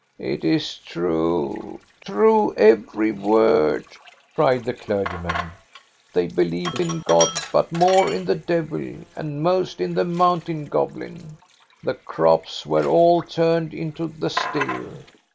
" It is true, true every word," cried the clergyman. " They believed in God, but more in the devil, and most in the mountain goblin. The crops were all turned into the still.